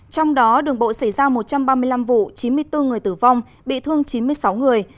trong đó đường bộ xảy ra một trăm ba mươi năm vụ chín mươi bốn người tử vong bị thương chín mươi sáu người